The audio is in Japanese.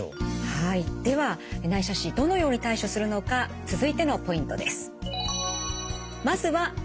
はいでは内斜視どのように対処するのか続いてのポイントです。